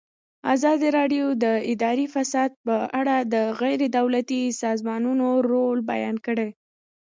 ازادي راډیو د اداري فساد په اړه د غیر دولتي سازمانونو رول بیان کړی.